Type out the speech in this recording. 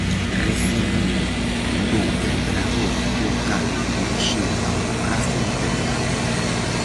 Recibiu do emperador o encargo de dirixir a burocracia imperial.